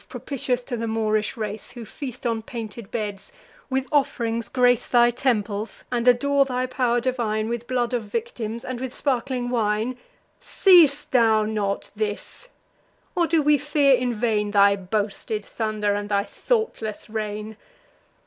propitious to the Moorish race, Who feast on painted beds, with off'rings grace Thy temples, and adore thy pow'r divine With blood of victims, and with sparkling wine, Seest thou not this? or do we fear in vain Thy boasted thunder, and thy thoughtless reign?